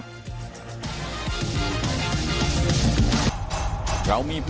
สวัสดีค่ะ